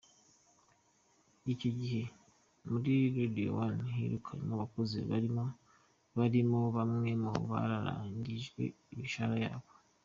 Icyo gihe muri Radio One hirukanywe abakozi barimo bamwe bari barararanyirijwe imishahara yabo.